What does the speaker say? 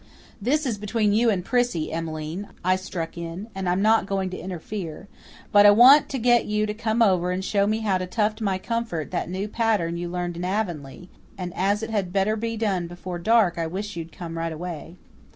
"This is between you and Prissy, Emmeline," I struck in, "and I'm not going to interfere. But I want to get you to come over and show me how to tuft my comfort that new pattern you learned in Avonlea, and as it had better be done before dark I wish you'd come right away."